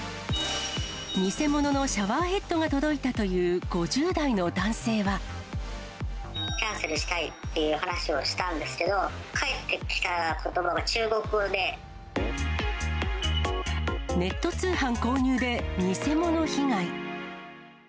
偽物のシャワーヘッドが届いキャンセルしたいっていう話をしたんですけど、ネット通販購入で偽物被害。